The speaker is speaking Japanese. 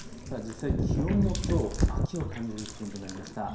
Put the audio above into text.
気温もきょうは秋を感じる気温となりました。